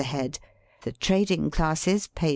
a head, the trading classes pay 35.